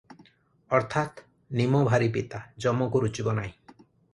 ଅର୍ଥାତ୍ ନିମ ଭାରି ପିତା, ଯମକୁ ରୁଚିବ ନାହିଁ ।